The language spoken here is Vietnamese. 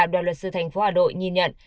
đòi luật sư thành phố hà đội nhìn nhận